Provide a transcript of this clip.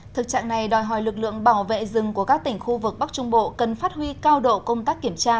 thực trạng này đòi hỏi lực lượng bảo vệ rừng của các tỉnh khu vực bắc trung bộ cần phát huy cao độ công tác kiểm tra